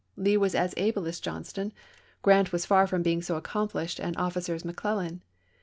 Lee was as able as Johnston ; Grant was far from being so accomplished an offi cer as McClellan.